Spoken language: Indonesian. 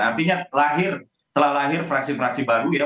artinya lahir telah lahir fraksi fraksi baru ya